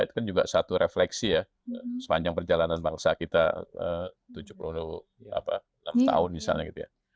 itu kan juga satu refleksi ya sepanjang perjalanan bangsa kita tujuh puluh enam tahun misalnya gitu ya